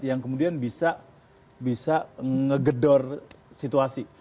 yang kemudian bisa ngegedor situasi